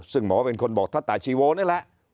ซึ่งหมอเป็นคนบอกทัศตาชีโวนี่แหละ